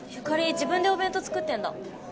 自分でお弁当作ってんだ？